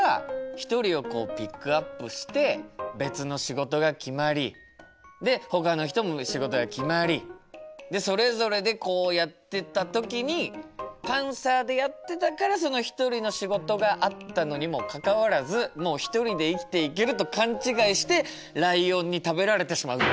一人をピックアップして別の仕事が決まりでほかの人も仕事が決まりそれぞれでやってった時にパンサーでやってたから一人の仕事があったのにもかかわらずもう一人で生きていけると勘違いしてライオンに食べられてしまう。